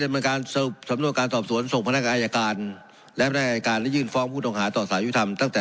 ถูกมนุษย์๒๒ลายนะครับ